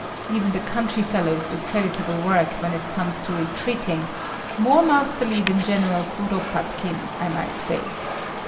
Even the country fellows do creditable work when it comes to retreating, more masterly than General Kuropatkin, I might say.